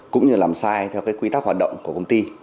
cũng như làm sai theo cái quy tắc hoạt động của công ty